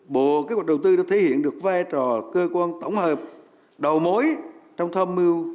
bộ kế hoạch đầu tư đã thể hiện được vai trò cơ quan tổng hợp đầu mối trong tham mưu